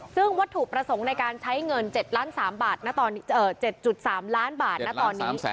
ซึ่งวัตถุประสงค์ในการใช้เงิน๗ล้าน๗๓ล้านบาทนะตอนนี้